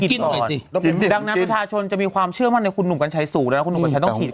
จีดต้องฉีดตกก่อนดังนั้นประธาชนจะมีความเชื่อมันในคุณหนูกันใช้สูงแล้วคุณหนูก็ใช้ต้องฉีดก่อน